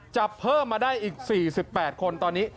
จับเพิ่มมาได้อีก๔๘คนตอนนี้